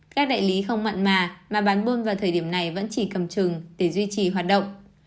các đại lý không mặn mà mà bán buôn vào thời điểm này vẫn chỉ cầm trừng để duy trì hoạt động